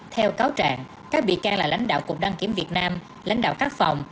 theo cáo trạng các bị can là lãnh đạo cục đăng kiểm việt nam lãnh đạo các phòng